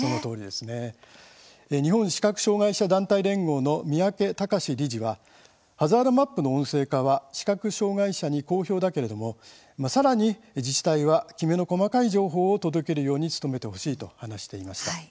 日本視覚障害者団体連合の三宅隆理事はハザードマップの音声化は視覚障害者に好評だけれどもさらに自治体はきめの細かい情報を届けるように努めてほしいと話しています。